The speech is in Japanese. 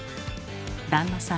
旦那さん